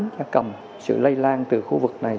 cúm da cầm sự lây lan từ khu vực này